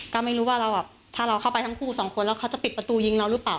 ก็ไม่รู้ว่าเราแบบถ้าเราเข้าไปทั้งคู่สองคนแล้วเขาจะปิดประตูยิงเราหรือเปล่า